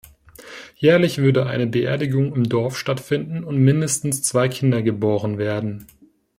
Jährlich würde eine Beerdigung im Dorf stattfinden und mindestens zwei Kinder geboren werden.